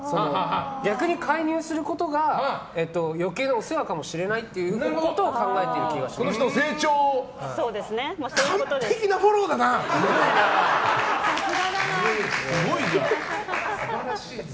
逆に介入することが余計なお世話かもしれないということをそういうことです。